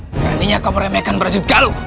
beraninya kau meremehkan prajurit galuh